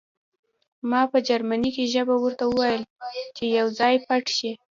ما په جرمني ژبه ورته وویل چې یو ځای پټ شئ